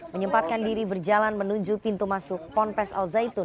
menyempatkan diri berjalan menuju pintu masuk ponpes al zaitun